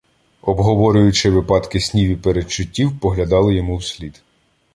Обговорюючи випадки снів і передчуттів, поглядали йому вслід.